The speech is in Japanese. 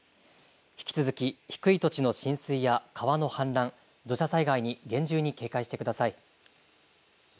引き続き低い土地の浸水や川の氾濫、土砂災害に厳重に警戒してください。